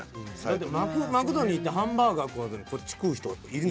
だって「マクド」に行ってハンバーガー食わずにこっち食う人いるの？